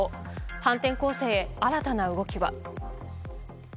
反転攻勢へ新たな動きは。